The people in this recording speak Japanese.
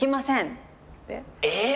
えっ！